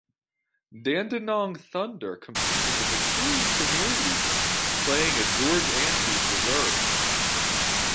Dandenong Thunder compete in the Victorian Premier League, playing at George Andrews Reserve.